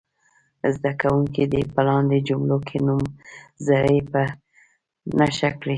زده کوونکي دې په لاندې جملو کې نومځري په نښه کړي.